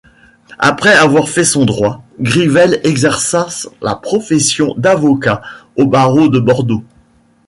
Après avoir fait son droit, Grivel exerça la profession d'avocat au barreau de Bordeaux.